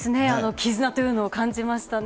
絆というのを感じましたね。